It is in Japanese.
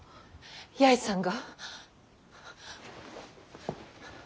八重さんが。